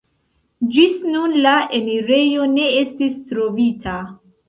Ĝis nun la enirejo ne estis trovita.